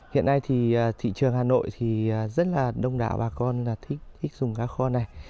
hiện nay thì thị trường hà nội thì rất là đông đạo bà con là thích dùng cá kho này